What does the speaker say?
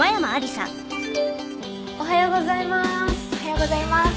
おはようございます。